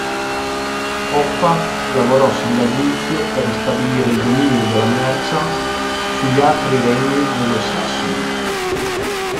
Offa lavorò sin dall'inizio per ristabilire il dominio della Mercia sugli altri regni anglosassoni.